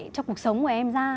cho cuộc sống của em ra